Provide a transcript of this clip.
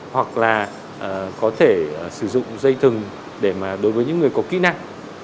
hoặc là có thể sử dụng dây thừng để mà đối với những người có kỹ năng